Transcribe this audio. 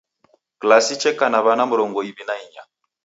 Klasi cheka na w'ana mrongo iwi na inya.